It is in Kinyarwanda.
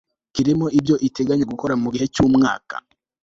kirimo ibyo iteganya gukora mu gihe cy'umyaka